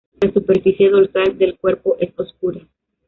La superficie dorsal del cuerpo es oscura.